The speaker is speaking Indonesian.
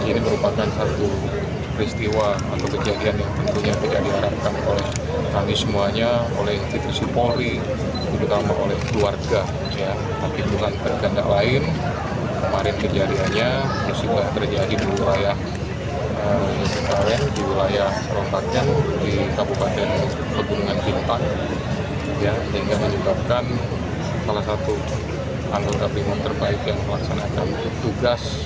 di wilayah lontarjen di kabupaten pegunungan pimpa yang menyebabkan salah satu anggota pimpinan terbaik yang dilaksanakan untuk tugas